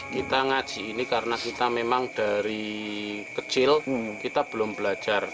kita ngaji ini karena kita memang dari kecil kita belum belajar